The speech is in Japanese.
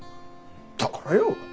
だからよ。